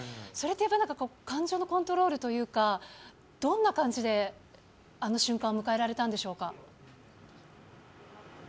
それってやっぱり感情のコントロールというか、どんな感じであの瞬間を迎えられたんでしょうか？